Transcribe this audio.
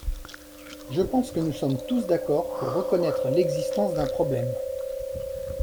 Je pense que nous sommes tous d’accord pour reconnaître l’existence d’un problème.